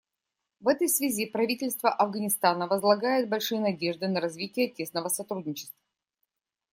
В этой связи правительство Афганистана возлагает большие надежды на развитие тесного сотрудничества.